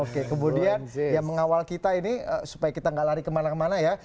oke kemudian yang mengawal kita ini supaya kita gak lari kemana mana ya